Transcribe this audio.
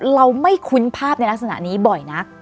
เราไม่คุ้นภาพในลักษณะนี้บ่อยนัก